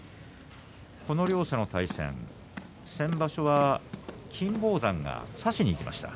この両者の対戦、先場所は金峰山が差しにいきました。